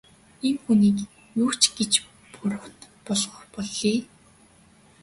Ийм хүнийг юу ч гэж буруут болгох билээ.